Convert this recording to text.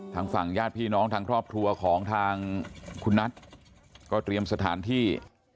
ทางฝั่งญาติพี่น้องทางครอบครัวของทางคุณนัทก็เตรียมสถานที่